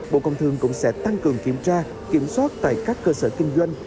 bộ công thương cũng sẽ tăng cường kiểm tra kiểm soát tại các cơ sở kinh doanh